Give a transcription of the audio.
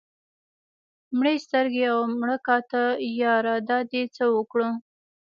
مړې سترګې او مړه کاته ياره دا دې څه اوکړه